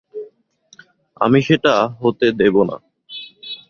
আমি সেটা হতে দেবো না।